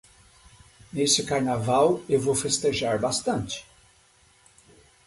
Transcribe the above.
Neste carnaval eu vou festejar bastante.